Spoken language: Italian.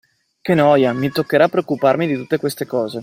Che noia, mi toccherà preoccuparmi di tutte queste cose.